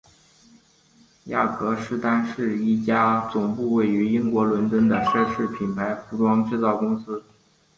雅格狮丹是一家总部位于英国伦敦的奢侈品牌服装制造公司。